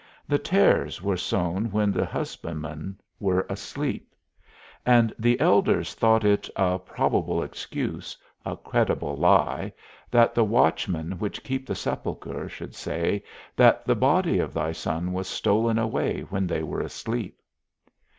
The tares were sown when the husbandmen were asleep; and the elders thought it a probable excuse, a credible lie, that the watchmen which kept the sepulchre should say, that the body of thy Son was stolen away when they were asleep.